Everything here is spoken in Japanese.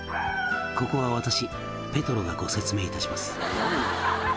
「ここは私ペトロがご説明いたします」